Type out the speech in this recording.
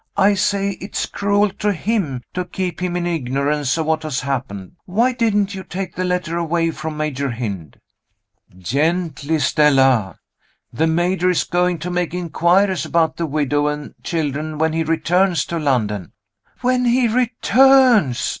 I say it's cruel to him to keep him in ignorance of what has happened. Why didn't you take the letter away from Major Hynd?" "Gently, Stella! The Major is going to make inquiries about the widow and children when he returns to London." "When he returns!"